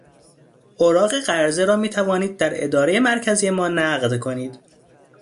اوراق قرضه را میتوانید در ادارهی مرکزی ما نقد کنید.